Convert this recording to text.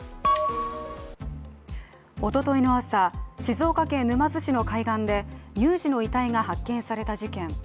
おとといの朝、静岡県沼津市の海岸で乳児の遺体が発見された事件。